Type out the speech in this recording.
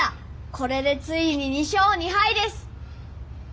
これでついに「２勝２敗」ですっ！